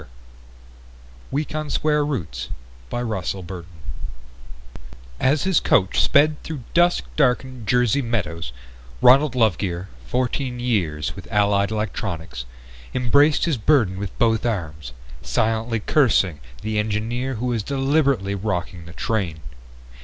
_ WEAK ON SQUARE ROOTS By Russell Burton Illustrated by TOM BEECHAM As his coach sped through dusk darkened Jersey meadows, Ronald Lovegear, fourteen years with Allied Electronix, embraced his burden with both arms, silently cursing the engineer who was deliberately rocking the train.